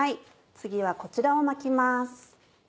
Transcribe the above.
次はこちらを巻きます。